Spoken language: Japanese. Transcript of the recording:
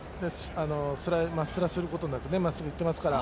まっスラすることなくまっすぐいってますから。